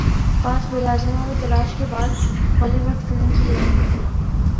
پانچ براعظموں میں تلاش کے بعد ہولی وڈ فلم کی ہیروئن مل گئی